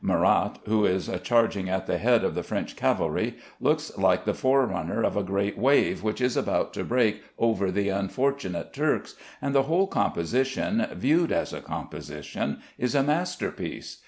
Murat, who is charging at the head of the French cavalry, looks like the forerunner of a great wave which is about to break over the unfortunate Turks, and the whole composition, viewed as a composition, is a masterpiece.